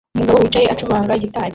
Umugabo wicaye acuranga gitari